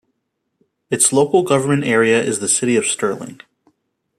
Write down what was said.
Its local government area is the City of Stirling.